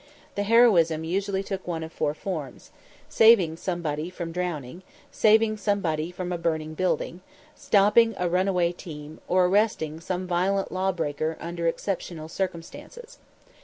The heroism usually took one of four forms: saving somebody from drowning, saving somebody from a burning building, stopping a runaway team, or arresting some violent lawbreaker under exceptional circumstances.